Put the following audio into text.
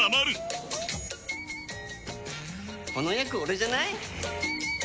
この役オレじゃない？